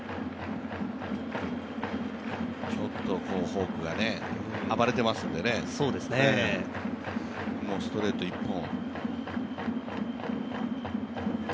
フォークが暴れてますのでね、ストレート１本。